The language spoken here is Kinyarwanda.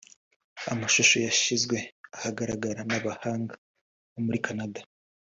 Amashusho yashyizwe ahagaragara n’abahanga bo muri Canada